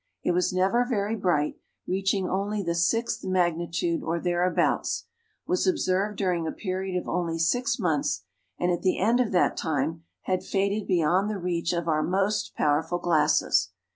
It was never very bright, reaching only the sixth magnitude or thereabouts, was observed during a period of only six months, and at the end of that time had faded beyond the reach of our most powerful glasses.